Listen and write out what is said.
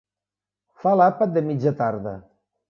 Fa l'àpat de mitja tarda.